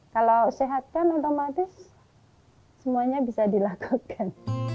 kalau sehat kan otomatis semuanya bisa dilakukan